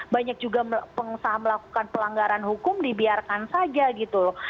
banyak juga pengusaha melakukan pelanggaran hukum dibiarkan saja gitu loh